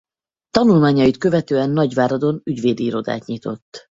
Tanulmányait követően Nagyváradon ügyvédi irodát nyitott.